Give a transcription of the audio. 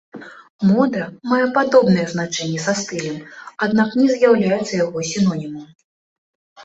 Мода мае падобнае значэнне са стылем, аднак не з'яўляецца яго сінонімам.